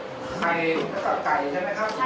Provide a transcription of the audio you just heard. ทีนี้วันอาทิตย์หยุดแล้วก็วันจันทร์ก็หยุด